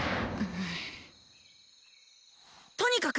とにかく！